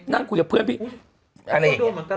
นั่งกับเพื่อนพี่